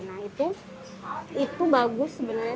nah itu bagus sebenarnya